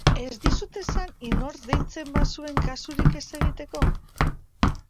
Ez dizut esan inork deitzen bazuen kasurik ez egiteko?